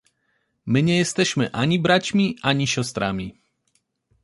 My nie jesteśmy ani braćmi, ani siostrami.